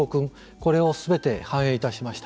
これをすべて反映いたしました。